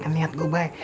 niat gue baik